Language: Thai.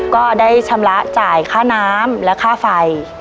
ค่าเช่าค่าจ่ายค่าน้ำและค่าไฟ